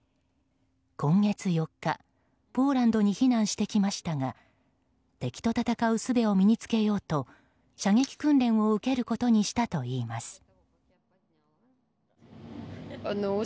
今月４日ポーランドに避難してきましたが敵と戦うすべを身に着けようと射撃訓練を受けることにしたといいます。